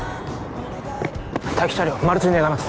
待機車両マル追願います